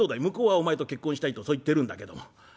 向こうはお前と結婚したいとそう言ってるんだけども」。